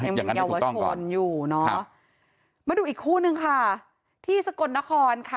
มันประคังประคอง